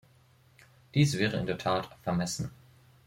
Dies wäre in der Tat vermessen.